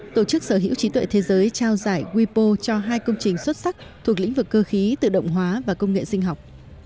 tổ chức sở hữu trí tuệ thế giới trao giải wipo cho hai công trình xuất sắc thuộc lĩnh vực cơ khí tự động hóa và công nghệ sinh học